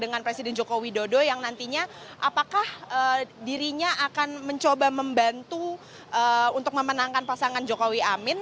dengan presiden joko widodo yang nantinya apakah dirinya akan mencoba membantu untuk memenangkan pasangan jokowi amin